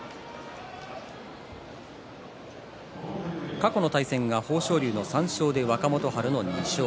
過去の対戦が豊昇龍の３勝で若元春の２勝。